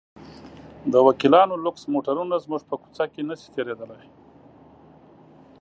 د وکیلانو لوکس موټرونه زموږ په کوڅه کې نه شي تېرېدلی.